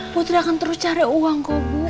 putri akan terus cari uang kok bu